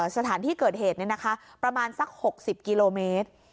สถานที่เกิดเหตุเนี้ยนะคะประมาณสักหกสิบกิโลเมตร